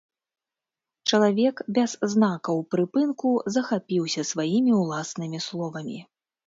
Чалавек без знакаў прыпынку захапіўся сваімі ўласнымі словамі.